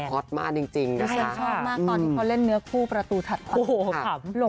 ชอบมากตอนที่เขาเล่นเนื้อคู่ประตูถัดไป